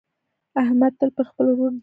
احمد تل پر خپل ورور درېږي.